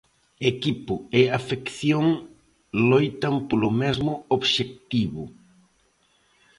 Equipo e afección loitan polo mesmo obxectivo.